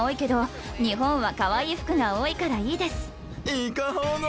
いかほど！